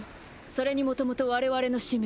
それにもともと我々の使命は。